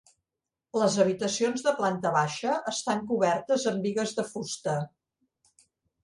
Les habitacions de planta baixa estan cobertes amb bigues de fusta.